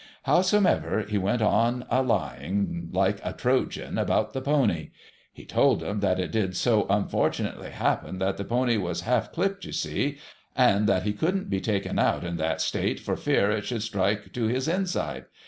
Howsomever, he went on a lying like a Trojan about the pony. He told 'em that it did so unfort'nately happen that the pony was half clipped, you see, and that he couldn't be taken out in that state, for fear it should strike to his inside.